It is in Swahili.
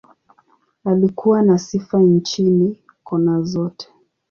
Alikuwa na sifa nchini, kona zote.